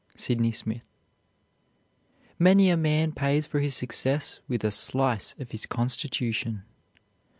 SYDNEY SMITH. "Many a man pays for his success with a slice of his constitution."